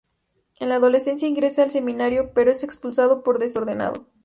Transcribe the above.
En la adolescencia ingresa al seminario, pero es expulsado por desordenado.